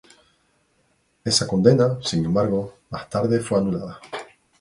Esa condena, sin embargo, más tarde fue anulada.